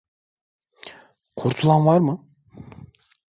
Kurtulan var mı?